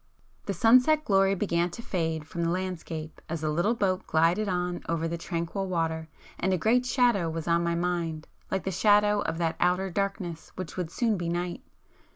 The sunset glory began to fade from the landscape as the little boat glided on over the tranquil water, and a great shadow [p 304] was on my mind, like the shadow of that outer darkness which would soon be night.